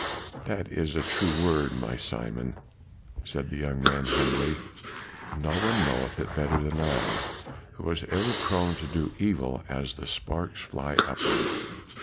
"That is a true word, my Simon," said the young man, humbly. "No one knoweth it better than I, who was ever prone to do evil as the sparks fly upward.